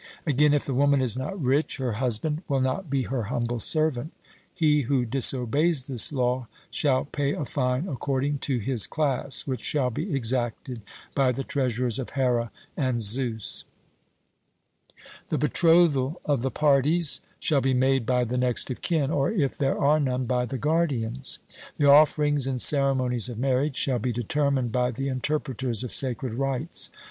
Again, if the woman is not rich, her husband will not be her humble servant. He who disobeys this law shall pay a fine according to his class, which shall be exacted by the treasurers of Here and Zeus. The betrothal of the parties shall be made by the next of kin, or if there are none, by the guardians. The offerings and ceremonies of marriage shall be determined by the interpreters of sacred rites.